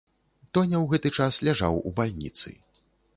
Тоня ў гэты час ляжаў у бальніцы.